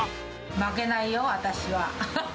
負けないよ、私は。